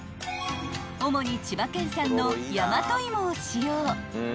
［主に千葉県産の大和芋を使用］